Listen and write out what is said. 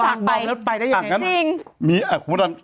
ว่ากบอบแล้วไปได้ยังไงจริง